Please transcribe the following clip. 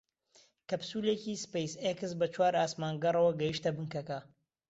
کەپسوولێکی سپەیس ئێکس بە چوار ئاسمانگەڕەوە گەیشتە بنکەکە